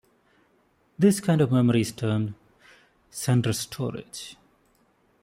This kind of memory is termed "Central Storage".